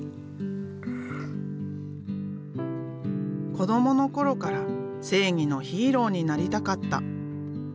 子どもの頃から正義のヒーローになりたかった。